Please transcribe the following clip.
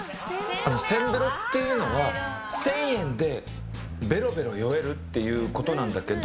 ベロっていうのは１０００円でべろべろ酔えるっていうことなんだけど。